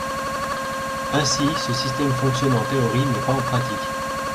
Ainsi, ce système fonctionne en théorie, mais pas en pratique.